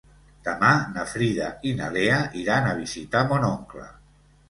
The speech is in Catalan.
Demà na Frida i na Lea iran a visitar mon oncle.